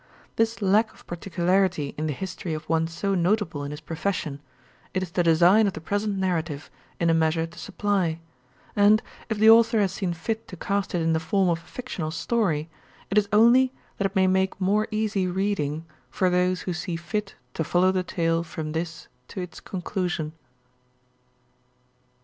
This lack of particularity in the history of one so notable in his profession it is the design of the present narrative in a measure to supply, and, if the author has seen fit to cast it in the form of a fictional story, it is only that it may make more easy reading for those who see fit to follow the tale from this to its conclusion.